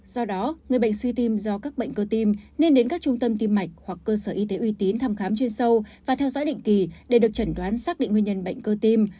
do đó người bệnh suy tim do các bệnh cơ tim nên đến các trung tâm tim mạch hoặc cơ sở y tế uy tín thăm khám chuyên sâu và theo dõi định kỳ để được chẩn đoán xác định nguyên nhân bệnh cơ tim